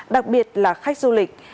đặc biệt là khách du lịch